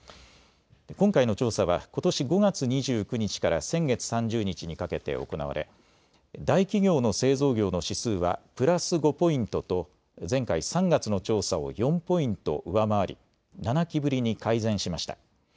今回の調査はことし５月２９日から先月３０日にかけて行われ大企業の製造業の指数はプラス５ポイントと前回３月の調査を４ポイント上回り７期ぶりに改善しました。